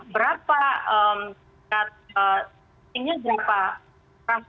berapa tracing nya berapa